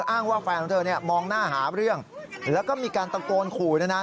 อ้างว่าแฟนของเธอเนี่ยมองหน้าหาเรื่องแล้วก็มีการตะโกนขู่ด้วยนะ